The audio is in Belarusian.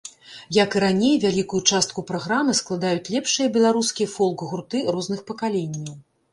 Як і раней, вялікую частку праграмы складаюць лепшыя беларускія фолк-гурты розных пакаленняў.